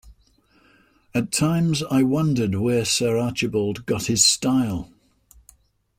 At times I wondered where Sir Archibald got his style.